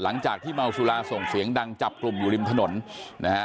หลังจากที่เมาสุราส่งเสียงดังจับกลุ่มอยู่ริมถนนนะฮะ